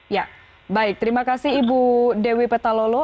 ya baik terima kasih ibu dewi petalolo